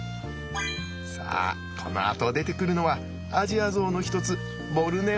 さあこのあと出てくるのはアジアゾウの一つボルネオゾウです。